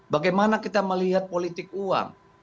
bagaimana kita melihat politik uang